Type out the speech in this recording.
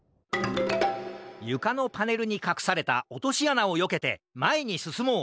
ゆかのパネルにかくされたおとしあなをよけてまえにすすもう！